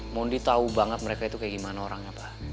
mondi tahu banget mereka itu kayak gimana orangnya pak